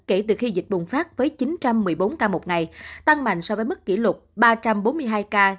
kể từ khi dịch bùng phát với chín trăm một mươi bốn ca một ngày tăng mạnh so với mức kỷ lục ba trăm bốn mươi hai ca